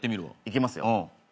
いきますよ。